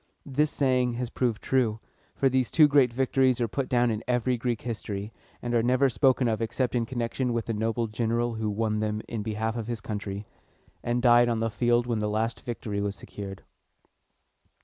This saying has proved true; for these two great victories are put down in every Greek history, and are never spoken of except in connection with the noble general who won them in behalf of his country, and died on the field when the last victory was secured.